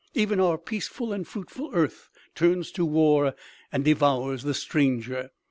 even our peaceful and fruitful earth turns to war and devours the stranger!